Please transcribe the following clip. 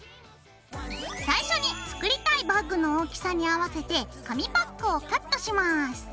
最初に作りたいバッグの大きさに合わせて紙パックをカットします。